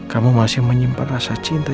kamu masih menyimpan rasa cinta